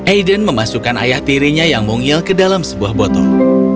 aiden memasukkan ayah tirinya yang mungil ke dalam sebuah botol